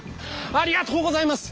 ありがとうございます！